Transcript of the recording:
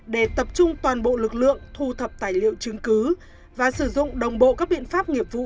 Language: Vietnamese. để tập trung toàn bộ lực lượng thu thập tài liệu chứng cứ và sử dụng đồng bộ các biện pháp nghiệp vụ